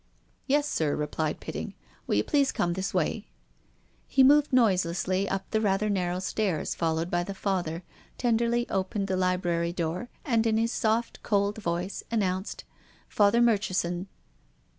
•• Yes, sir," replied Pitting. " Will you please come this way ?" He moved noiselessly up the rather narrow stairs, followed by the Father, tenderly opened the library door, and in his soft, cold voice, an nounced :" Father Murchison."